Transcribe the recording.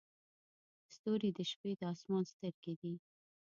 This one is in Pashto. ستوري د شپې د اسمان سترګې دي.